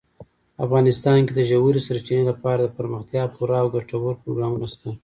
افغانستان کې د ژورې سرچینې لپاره دپرمختیا پوره او ګټور پروګرامونه شته.